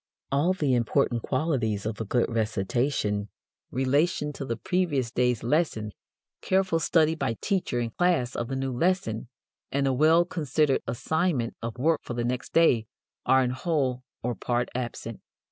All the important qualities of a good recitation, relation to the previous day's lesson, careful study by teacher and class of the new lesson, and a well considered assignment of work for the next day are in whole or part absent.